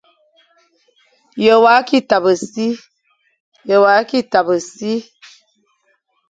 Ye wa ki tabe si ?